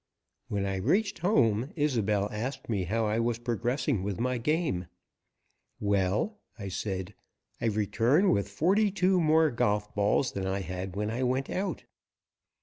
When I reached home Isobel asked me how I was progressing with my game. "Well," I said, "I return with forty two more golf balls than I had when I went out."